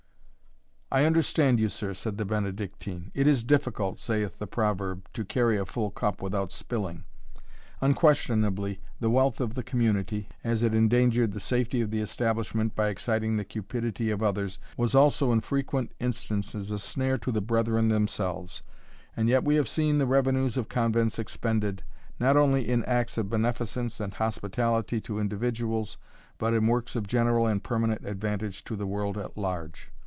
"I understand you, sir," said the Benedictine; "it is difficult, saith the proverb, to carry a full cup without spilling. Unquestionably the wealth of the community, as it endangered the safety of the establishment by exciting the cupidity of others, was also in frequent instances a snare to the brethren themselves. And yet we have seen the revenues of convents expended, not only in acts of beneficence and hospitality to individuals, but in works of general and permanent advantage to the world at large.